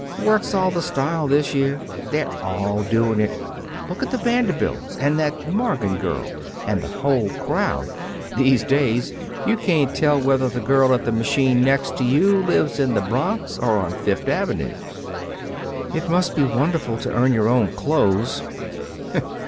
"Work's all the style this year. They're all doing it. Look at the Vanderbilts and that Morgan girl, and the whole crowd. These days you can't tell whether the girl at the machine next to you lives in the Bronx or on Fifth Avenue." "It must be wonderful to earn your own clothes."